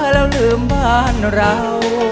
แล้วลืมบ้านเรา